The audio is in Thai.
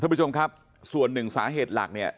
ผู้ชมครับส่วนหนึ่งสาเหตุหลักเนี่ย